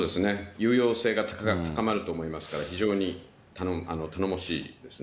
有用性が高まると思いますから、非常に頼もしいですね。